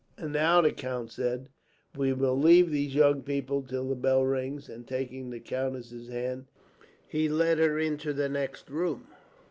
"And now," the count said, "we will leave these young people till the bell rings," and taking the countess's hand, he led her into the next room.